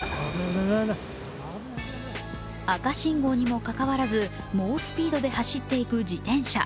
赤信号にもかかわらず、猛スピードで走っていく自転車。